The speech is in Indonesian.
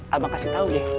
abang kasih tau ya